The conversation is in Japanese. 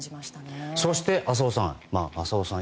そして、浅尾さん